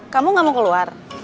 kamu gak mau keluar